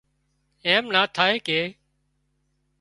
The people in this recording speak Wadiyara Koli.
ايم نا ٿائي ڪي